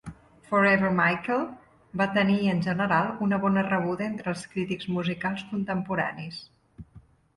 "Forever, Michael" va tenir en general una bona rebuda entre els crítics musicals contemporanis.